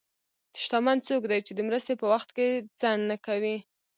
شتمن څوک دی چې د مرستې په وخت کې ځنډ نه کوي.